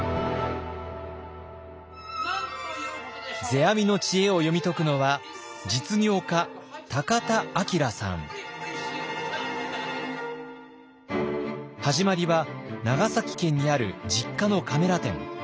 世阿弥の知恵を読み解くのは始まりは長崎県にある実家のカメラ店。